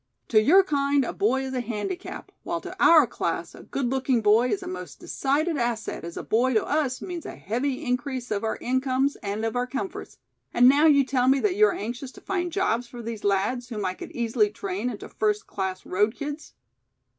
To your kind a boy is a handicap, while to our class a good looking boy is a most decided asset as a boy to us means a heavy increase of our incomes and of our comforts, and now you tell me that you are anxious to find jobs for these lads whom I could easily train into first class Road Kids."